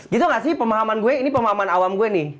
gitu gak sih pemahaman gue ini pemahaman awam gue nih